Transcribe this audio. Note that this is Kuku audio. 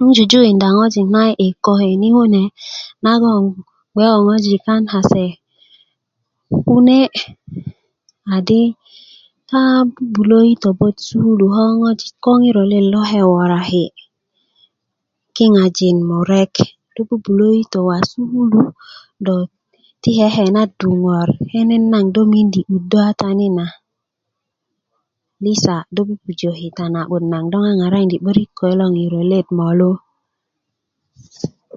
un jujukinda ŋojik na'di'dik a i koke ni kune na gong gbe ko ŋojikan kase kune adi ta 'bu'bulä yitö bot yi sukulu ko ŋojik kolo ke' woraki kiŋajin murek do 'bu'bulö yitöji' wa' yi sukulu do ti kekenadu ŋor kenet naŋ do mindi 'duddö kata ni na lisa do pupuja kita na'but naŋ do ŋaŋarakidin 'börik ko yilo ŋiro let molu